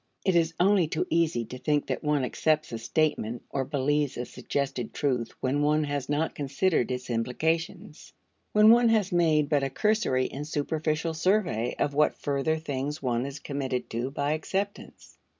It is only too easy to think that one accepts a statement or believes a suggested truth when one has not considered its implications; when one has made but a cursory and superficial survey of what further things one is committed to by acceptance.